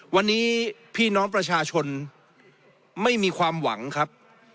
วันนี้พี่น้องประชาชนไม่มีความหวังครับ